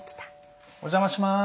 お邪魔します。